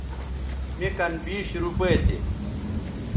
مے کن بیش روپے تھے